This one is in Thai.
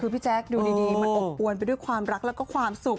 คือพี่แจ๊คดูดีมันอบอวนไปด้วยความรักแล้วก็ความสุข